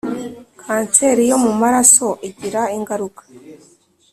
Kanseri yomumaraso igira ingaruka